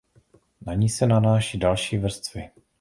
Na ni se nanáší další vrstvy.